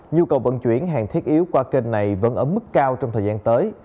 nhu cầu vận chuyển hàng thiết yếu qua kênh này vẫn ở mức cao trong thời gian tới